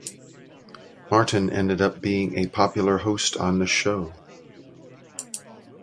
Martin ended up being a popular host on the show.